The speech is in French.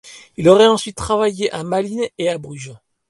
Il aurait ensuite travaillé à Malines et à Bruges.